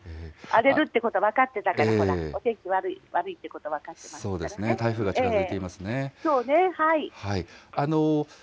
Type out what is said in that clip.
荒れるということ分かってたから、ほら、お天気悪いってこと分かっそうですね、台風が近づいてそうね、はい。